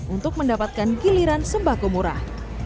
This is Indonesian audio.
untuk mendapatkan giliran sembako murah